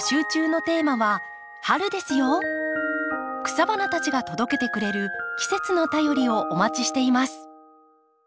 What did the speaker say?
草花たちが届けてくれる季節の便りをお待ちしています。